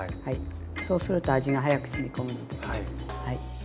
そうすると味が早くしみ込むので。